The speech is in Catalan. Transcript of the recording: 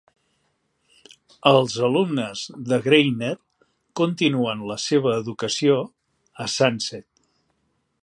Els alumnes de Greiner continuen la seva educació a Sunset.